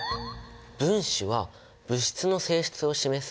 分子は物質の性質を示す